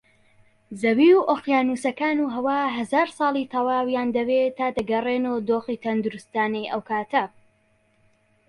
زەوی و ئۆقیانووسەکان و هەوا هەزار ساڵی تەواویان دەوێت تا دەگەڕێنەوە دۆخی تەندروستانەی ئەوکاتە